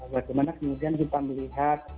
bagaimana kemudian kita melihat